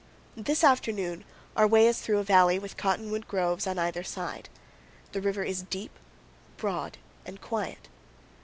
This afternoon our way is through a valley with cottonwood groves on either side. The river is deep, broad, and quiet.